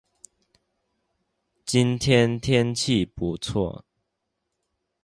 今天天气不错